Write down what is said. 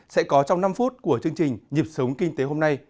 sẽ có trong năm phút của chương trình nhịp sống kinh tế hôm nay